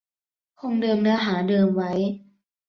คงเดิมเนื้อหาเดิมไว้